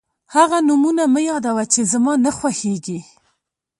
هغه نومونه مه یادوه چې زما نه خوښېږي.